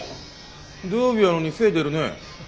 土曜日やのに精出るね。